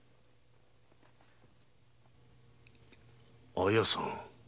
綾さん。